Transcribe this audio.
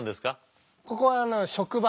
ここは職場。